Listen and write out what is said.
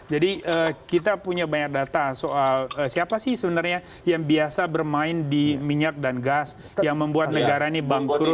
jadi kita punya banyak data soal siapa sih sebenarnya yang biasa bermain di minyak dan gas yang membuat negara ini bangkrut